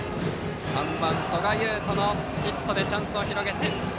３番、曽我雄斗のヒットでチャンスを広げて。